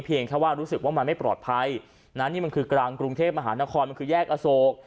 แค่ว่ารู้สึกว่ามันไม่ปลอดภัยนะนี่มันคือกลางกรุงเทพมหานครมันคือแยกอโศก